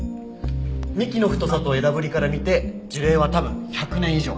幹の太さと枝ぶりから見て樹齢は多分１００年以上。